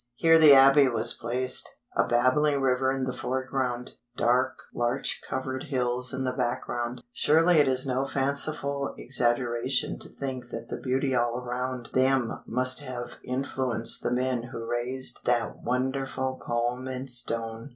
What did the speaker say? Here the Abbey was placed: a babbling river in the foreground, dark larch covered hills in the background. Surely it is no fanciful exaggeration to think that the beauty all around them must have influenced the men who raised that wonderful poem in stone!